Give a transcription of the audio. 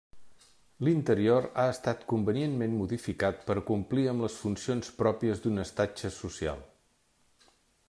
L'interior ha estat convenientment modificat per a complir amb les funcions pròpies d'un estatge social.